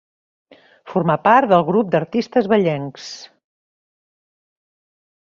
Formà part del Grup d'Artistes Vallencs.